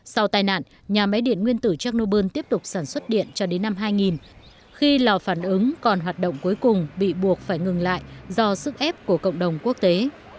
sau tai nạn nhà máy điện nguyên tử chernobyl tiếp tục sản xuất điện cho đến năm hai nghìn khi lò phản ứng còn hoạt động cuối cùng bị buộc phải ngừng lại do sức ép của cộng đồng quốc tế